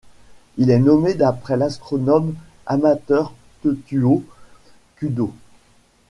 Il est nommé d'après l'astronome amateur Tetuo Kudo.